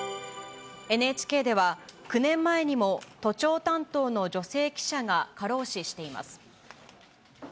ＮＨＫでは、９年前にも、都庁担当の女性記者が過労死しています。